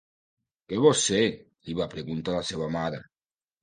"Què vols ser?", li va preguntar la seva mare.